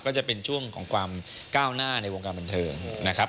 ก็จะเป็นช่วงของความก้าวหน้าในวงการบันเทิงนะครับ